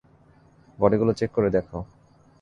Body গুলো check করে দেখো!